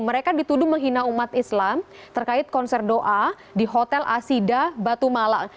mereka dituduh menghina umat islam terkait konser doa di hotel asida batu malang